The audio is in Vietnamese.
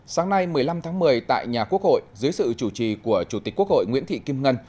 sáng nay một mươi năm tháng một mươi tại nhà quốc hội dưới sự chủ trì của chủ tịch quốc hội nguyễn thị kim ngân